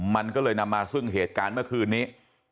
มันก็เลยนำมาซึ่งเหตุการณ์เมื่อคืนนี้